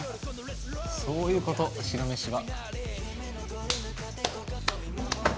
そういうこと、白めしは。